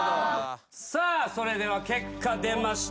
さあそれでは結果出ました。